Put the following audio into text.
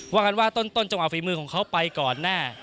หวังกันว่าต้นต้องเอาฝีมือของเขาไปก่อนหน้า